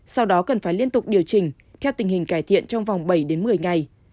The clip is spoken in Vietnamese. sau đó cần phải liên tục điều chỉnh theo tình hình cải thiện trong vòng bảy đến một mươi ngày